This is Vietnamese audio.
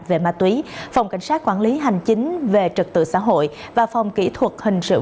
về ma túy phòng cảnh sát quản lý hành chính về trật tự xã hội và phòng kỹ thuật hình sự